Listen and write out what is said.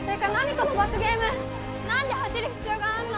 この罰ゲーム何で走る必要があんの？